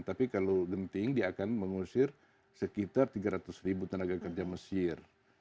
tapi kalau genting dia akan mengusir sekitar tiga ratus ribu tenaga kerja mesir